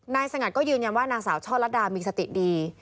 สงัดก็ยืนยันว่านางสาวช่อลัดดามีสติดี